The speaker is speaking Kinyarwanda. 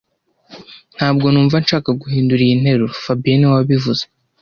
Ntabwo numva nshaka guhindura iyi nteruro fabien niwe wabivuze